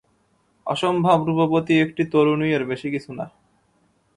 অসম্ভব রূপবর্তী একটি তরুণী-এর বেশি কিছু না।